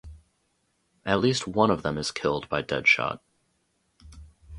At least one of them is killed by Deadshot.